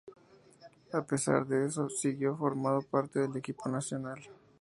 A pesar de eso, siguió formando parte del equipo nacional.